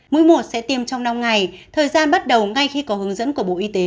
mũi một sẽ tiêm trong năm ngày thời gian bắt đầu ngay khi có hướng dẫn của bộ y tế